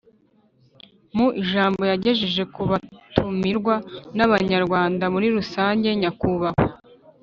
Mu ijambo yagejeje ku batumirwa n abanyarwanda muri rusange nyakubahwa